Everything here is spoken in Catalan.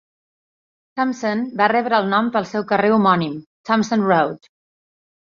Thomson va rebre el nom pel seu carrer homònim, Thomson Road.